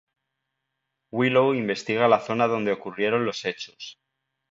Willow investiga la zona donde ocurrieron los hechos.